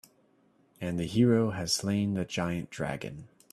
And the hero has slain the giant dragon.